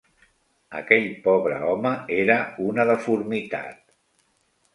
Aquell pobre home era una deformitat.